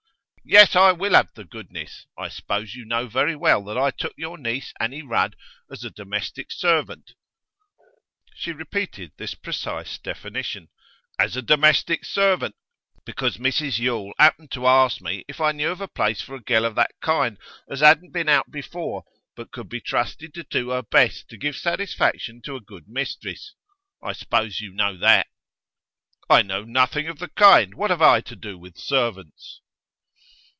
'Yes, I will have the goodness! I s'pose you know very well that I took your niece Annie Rudd as a domestic servant' she repeated this precise definition 'as a domestic servant, because Mrs Yule 'appened to 'arst me if I knew of a place for a girl of that kind, as hadn't been out before, but could be trusted to do her best to give satisfaction to a good mistress? I s'pose you know that?' 'I know nothing of the kind. What have I to do with servants?